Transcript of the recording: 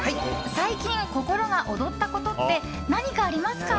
最近、心が躍ったことって何かありますか？